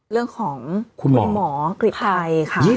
เรื่องของคุณหมอกฤทัยค่ะ